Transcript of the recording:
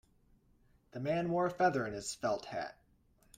The man wore a feather in his felt hat.